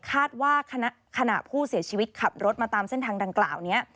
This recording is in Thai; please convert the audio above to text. คาดว่าขณะผู้เสียชีวิตขับรถมาตามเส้นทางดังกล่าวนี้